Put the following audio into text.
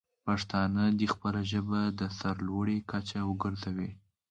پښتانه دې خپله ژبه د سر لوړۍ کچه وګرځوي.